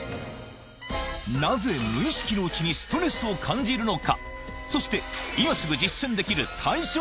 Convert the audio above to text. なぜ無意識のうちにストレスを感じるのか？